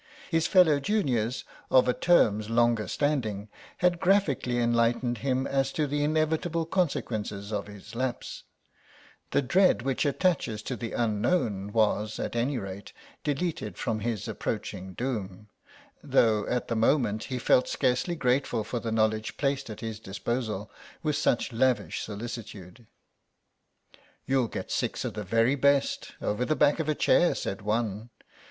His fellow juniors of a term's longer standing had graphically enlightened him as to the inevitable consequences of his lapse; the dread which attaches to the unknown was, at any rate, deleted from his approaching doom, though at the moment he felt scarcely grateful for the knowledge placed at his disposal with such lavish solicitude. "You'll get six of the very best, over the back of a chair," said one.